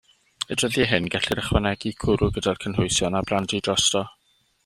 Y dyddiau hyn gellir ychwanegu cwrw gyda'r cynhwysion, a brandi drosto.